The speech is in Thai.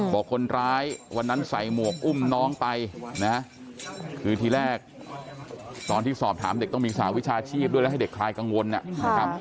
บอกคนร้ายวันนั้นใส่หมวกอุ้มน้องไปนะคือทีแรกตอนที่สอบถามเด็กต้องมีสหวิชาชีพด้วยแล้วให้เด็กคลายกังวลนะครับ